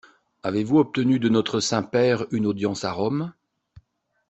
Avez-vous obtenu de notre Saint-Père une audience à Rome?